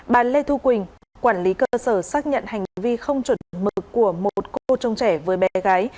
bà lê thu quỳnh quản lý cơ sở xác nhận hành vi không chuẩn mực của một cô trông trẻ với bé gái